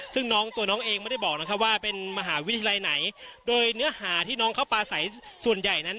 ซึ่งน้องตัวน้องเองไม่ได้บอกนะครับว่าเป็นมหาวิทยาลัยไหนโดยเนื้อหาที่น้องเขาปลาใสส่วนใหญ่นั้น